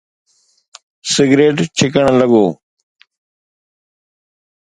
Cigarette ڇڪڻ لڳو.